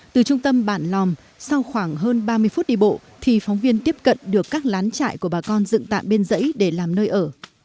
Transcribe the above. từ trung tâm bản lòm sau khoảng hơn ba mươi phút đi bộ thì phóng viên tiếp cận được các lán trại của bà con dựng tạm bên dãy để làm nơi ở